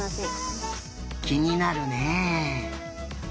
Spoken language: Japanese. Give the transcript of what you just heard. きになるね。